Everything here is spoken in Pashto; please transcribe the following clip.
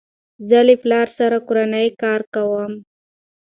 زه له پلار سره کورنی کار کوم.